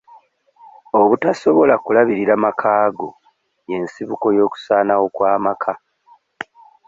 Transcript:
Obutasobola kulabirira makaago y'ensibuko y'okusaanawo kw'amaka.